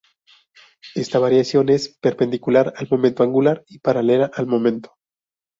Esta variación es perpendicular al momento angular y paralela al momento.